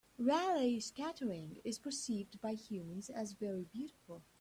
Raleigh scattering is percieved by humans as very beautiful.